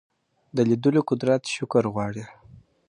د لیدلو قدرت شکر غواړي